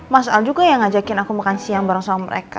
mas al juga yang ngajakin aku makan siang bareng sama mereka